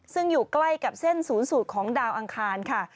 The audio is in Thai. ซึ่งอยู่ใกล้กับเส้นศูนย์สูตรของดาวอังคารค่ะ